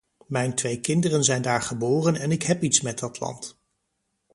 Mijn twee kinderen zijn daar geboren en ik heb iets met dat land.